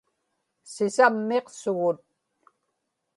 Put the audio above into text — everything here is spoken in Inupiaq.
Sisammiqsugut